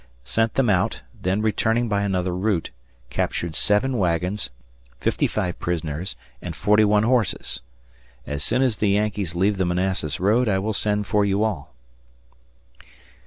Sent them out, then returning by another route, captured seven wagons, fifty five prisoners, and forty one horses. As soon as the Yankees leave the Manassas road I will send for you all.